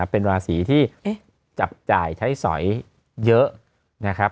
เป็นราศีที่จับจ่ายใช้สอยเยอะ